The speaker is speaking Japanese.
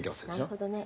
なるほどね。